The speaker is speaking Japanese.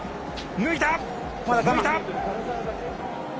抜いた。